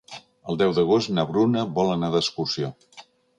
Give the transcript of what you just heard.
El deu d'agost na Bruna vol anar d'excursió.